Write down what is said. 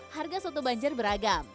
harga soto banjar beragam